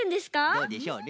どうでしょうね。